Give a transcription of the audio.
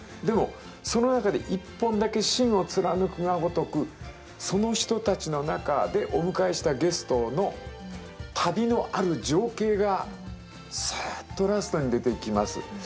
でもその中で一本だけ芯を貫くがごとくその人たちの中でお迎えしたゲストの旅のある情景がスッとラストに出てきます。